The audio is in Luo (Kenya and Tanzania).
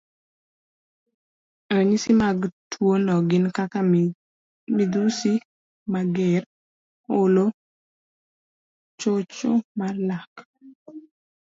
Ranyisi mag tuwono gin kaka midhusi mager, olo, chocho mar lak,